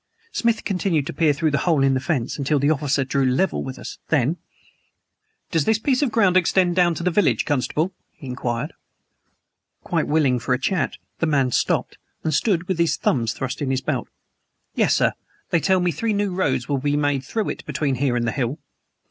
Smith continued to peer through the hole in the fence, until the officer drew up level with us. Then: "Does this piece of ground extend down to the village, constable?" he inquired. Quite willing for a chat, the man stopped, and stood with his thumbs thrust in his belt. "Yes, sir. They tell me three new roads will be made through it between here and the hill."